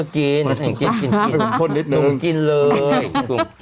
กินน้ำผ้นนิดนึง